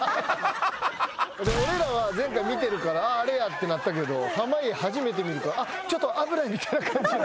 俺らは前回見てるからあれやってなったけど濱家初めて見るちょっと危ないみたいな感じに。